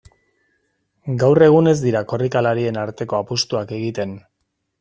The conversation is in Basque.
Gaur egun ez dira korrikalarien arteko apustuak egiten.